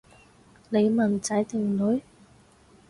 你問仔定女？